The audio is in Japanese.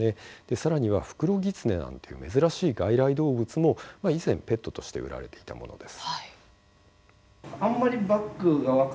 さらにはフクロギツネなんて珍しい外来動物も以前、ペットとして売られていたものです。